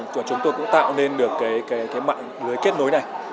và chúng tôi cũng tạo nên được cái mạng lưới kết nối này